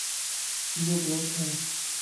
ايو گھوٽ ائي